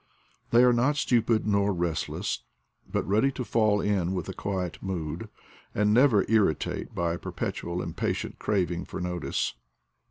They are not stupid nor restless, but ready to fall in with a quiet mood, and never irritate by a perpetual im patient craving for notice.